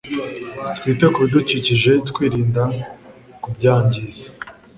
Twite kubidukikije twirinda kubyangiza